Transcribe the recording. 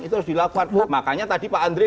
itu harus dilakukan makanya tadi pak andre